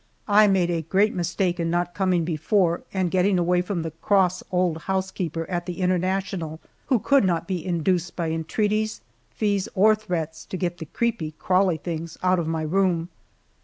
I made a great mistake in not coming before and getting away from the cross old housekeeper at the International, who could not be induced by entreaties, fees, or threats, to get the creepy, crawly things out of my room.